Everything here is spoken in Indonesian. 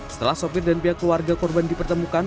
setelah sopir dan pihak keluarga korban dipertemukan